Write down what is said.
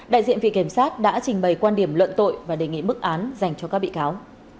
đại diện vị kiểm sát đã trình bày quan điểm luận tội và đề nghị mức án dành cho các bị cáo